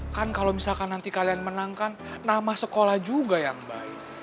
kan kalau misalkan nanti kalian menangkan nama sekolah juga yang baik